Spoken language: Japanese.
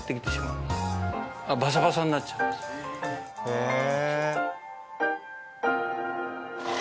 へえ。